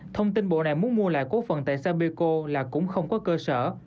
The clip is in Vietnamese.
thông tin bộ này muốn mua lại cổ phận tại sapeco là cũng không có cơ sở